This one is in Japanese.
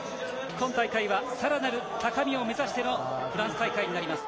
今大会はさらなる高みを目指してのフランス大会になります。